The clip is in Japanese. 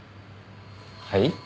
はい？